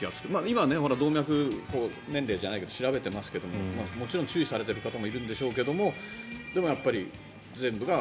今、動脈年齢じゃないけど調べていますけどもちろん注意されている方もいるんでしょうけども